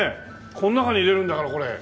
この中に入れるんだからこれ。